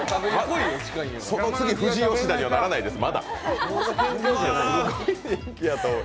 次、富士吉田にはならないですよ、まだ。